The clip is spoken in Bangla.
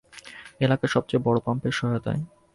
এলাকার সবচেয়ে বড়ো পাম্পের সহায়তায়।